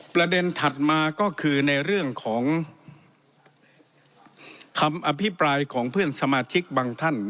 ถัดมาก็คือในเรื่องของคำอภิปรายของเพื่อนสมาชิกบางท่าน